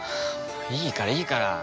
いいからいいから。